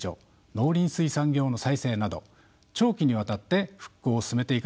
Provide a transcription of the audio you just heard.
農林水産業の再生など長期にわたって復興を進めていかざるをえません。